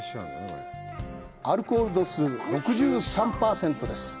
アルコール度数６３％です。